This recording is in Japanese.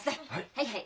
はいはい。